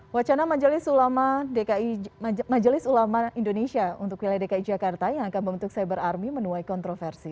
wacana majelis ulama indonesia untuk wilayah dki jakarta yang akan membentuk cyber army menuai kontroversi